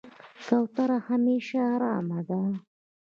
کوتره همیشه آرامه ده.